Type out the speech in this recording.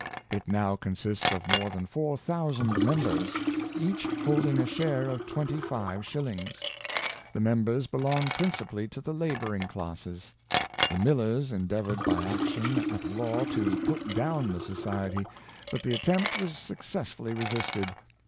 It now consists of more than four thousand members, each holding a share of twenty five shillings. The members belong principally to the laboring classes. The millers endeavored by action at law to put down the society, but the attempt was suc cessfully resisted.